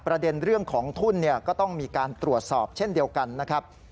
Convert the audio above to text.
ประเด็นเรื่องของทุนก็ต้องมีการตรวจสอบเช่นเดียวกันนะครับ